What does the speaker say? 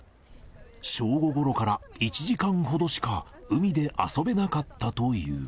正午ごろから１時間ほどしか海で遊べなかったという。